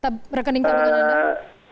berkeningkan dengan anda